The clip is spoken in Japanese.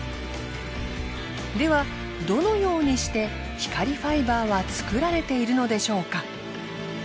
ではどのようにして光ファイバーは作られているのでしょうか？